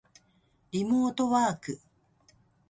リモートワーク